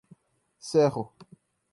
Serro